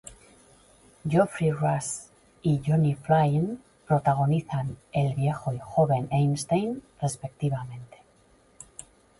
Geoffrey Rush y Johnny Flynn protagonizan el viejo y joven Einstein, respectivamente.